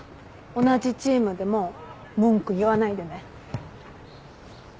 同じチームでも文句言わないでね。